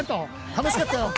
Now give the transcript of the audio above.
楽しかったよ。